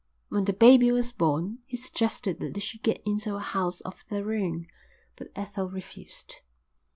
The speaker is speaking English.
When the baby was born he suggested that they should get into a house of their own, but Ethel refused.